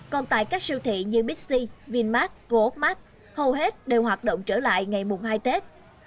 còn tại các siêu thị như bixi vinmark goatmark hầu hết đều hoạt động trở lại ngày mùa hai tết